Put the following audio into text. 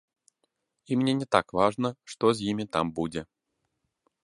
І мне не так важна, што з імі там будзе.